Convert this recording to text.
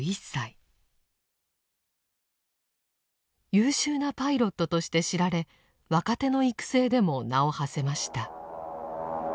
優秀なパイロットとして知られ若手の育成でも名をはせました。